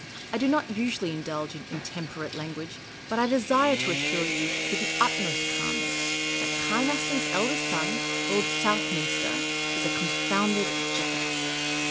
I do not usually indulge in intemperate language ; but I desire to assure you, with the utmost calm ness, that Kynaston's eldest son, Lord Southniinster, is a con founded jackass."